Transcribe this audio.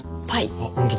あっ本当だ。